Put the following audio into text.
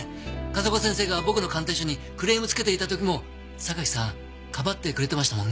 風丘先生が僕の鑑定書にクレームつけていた時も榊さんかばってくれてましたもんね？